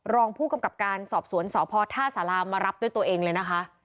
รองผู้กำกับการสอบสวนสพท่าสารามารับด้วยตัวเองเลยนะคะ